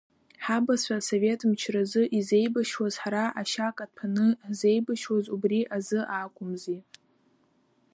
Ҳабацәа асовет мчразы изеибашьуаз, ҳара ашьа каҭәаны ҳзеибашьуаз убри азы акәымзи!